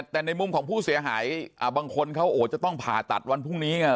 แต่ในมุมของผู้เสียหายบางคนเขาโอ้จะต้องผ่าตัดวันพรุ่งนี้ไง